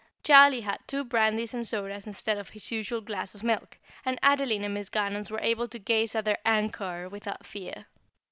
Charlie had two brandies and sodas instead of his usual glass of milk, and Adeline and Miss Garnons were able to gaze at their anchor without fear.